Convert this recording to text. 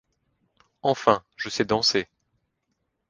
Enfin, je sais danser !